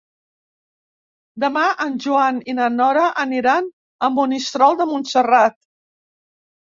Demà en Joan i na Nora aniran a Monistrol de Montserrat.